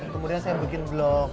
kemudian saya bikin blog